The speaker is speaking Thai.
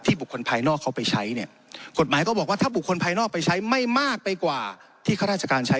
บุคคลภายนอกเขาไปใช้เนี่ยกฎหมายก็บอกว่าถ้าบุคคลภายนอกไปใช้ไม่มากไปกว่าที่ข้าราชการใช้